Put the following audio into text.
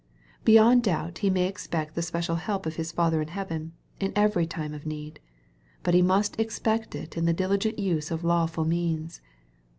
Beyond doubt he may expect the special help of his Father in heaven, in every time of need. But he must expect it in the diligent use of lawful means.